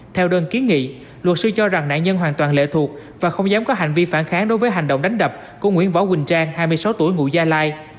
theo đơn kiến nghị luật sư cho rằng nạn nhân hoàn toàn lệ thuộc và không dám có hành vi phản kháng đối với hành động đánh đập của nguyễn võ quỳnh trang hai mươi sáu tuổi ngụ gia lai